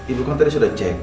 ibu kan tadi sudah cek